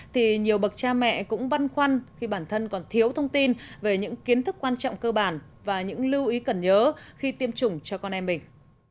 thì nhiều bậc cha mẹ cũng băn khoăn khi bản thân còn thiếu thông tin về những kiến thức quan trọng cơ bản và những lưu ý cần nhớ khi tiêm chủng cho con em mình